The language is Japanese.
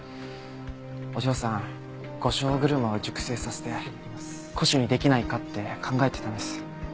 お嬢さん御所車を熟成させて古酒にできないかって考えてたんです。